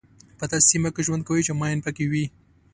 په داسې سیمه کې ژوند کوئ چې ماین پکې وي.